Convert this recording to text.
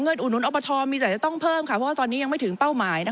อุดหนุนอบทมีแต่จะต้องเพิ่มค่ะเพราะว่าตอนนี้ยังไม่ถึงเป้าหมาย